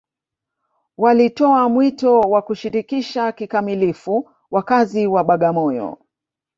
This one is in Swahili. walitoa mwito wa kushirikisha kikamilifu wakazi wa bagamoyo